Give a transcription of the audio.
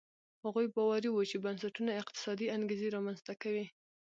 هغوی باوري وو چې بنسټونه اقتصادي انګېزې رامنځته کوي.